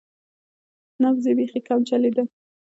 نبض یې بیخي کم چلیده.